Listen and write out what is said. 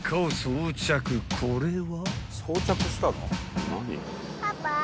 ［これは？］